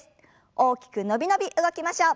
大きく伸び伸び動きましょう。